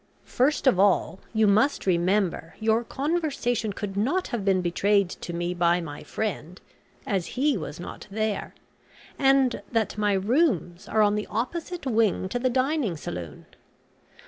First of all, you must remember, your conversation could not have been betrayed to me by my friend, as he was not there, and that my rooms are on the opposite wing to the dining saloon.